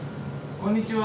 こんにちは。